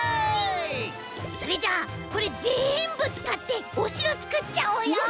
それじゃあこれぜんぶつかっておしろつくっちゃおうよ！